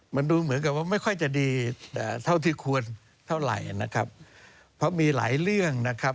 มาดูเหมือนกับว่าไม่ช่วยจะดีเท่าที่ควรเท่าไหร่นะครับ